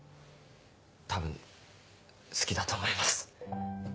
多分好きだと思います。